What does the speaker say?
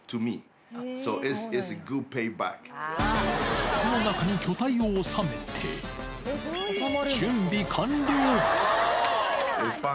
いすの中に巨体をおさめて、準備完了。